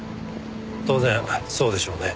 当然そうでしょうね。